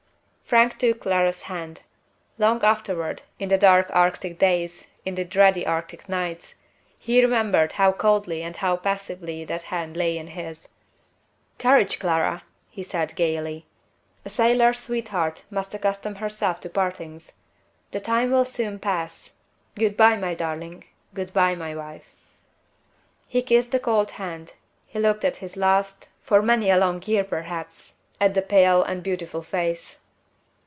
Frank took Clara's hand. Long afterward in the dark Arctic days, in the dreary Arctic nights he remembered how coldly and how passively that hand lay in his. "Courage, Clara!" he said, gayly. "A sailor's sweetheart must accustom herself to partings. The time will soon pass. Good by, my darling! Good by, my wife!" He kissed the cold hand; he looked his last for many a long year, perhaps! at the pale and beautiful face.